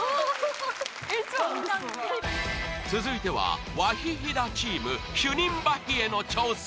続いてはワヒヒダチームヒュニンバヒエの挑戦！